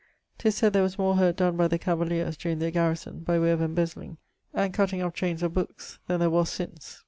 'Tis said there was more hurt donne by the cavaliers (during their garrison) by way of embezilling and cutting off chaines of bookes, then there was since.